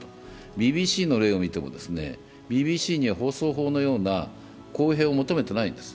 ＢＢＣの例をみても、ＢＢＣには公平を求めていないんです。